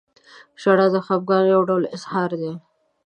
• ژړا د خفګان یو ډول اظهار دی.